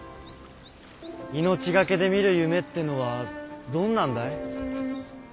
命懸けで見る夢ってのはどんなんだい？